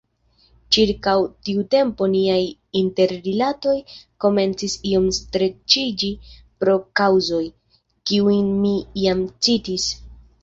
Ĉirkaŭ tiu tempo niaj interrilatoj komencis iom streĉiĝi pro kaŭzoj, kiujn mi jam citis.